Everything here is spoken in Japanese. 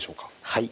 はい。